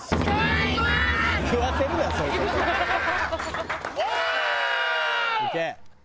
いけ！